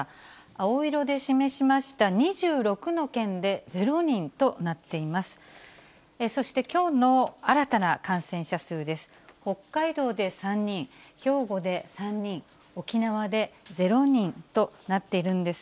青色で示しました２６の県で０人となっています。